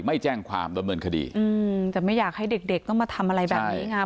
ไม่แจ้งความดำเนินคดีอืมแต่ไม่อยากให้เด็กเด็กต้องมาทำอะไรแบบนี้ไง